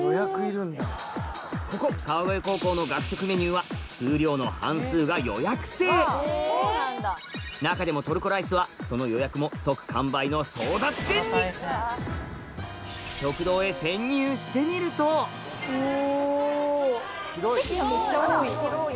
ここ川越高校の学食メニューは数量の半数が予約制中でもトルコライスはその予約も即完売のしてみるとお席がめっちゃ多い。